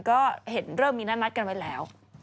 ก็เห็นเริ่มมีนัดกันไว้แล้ว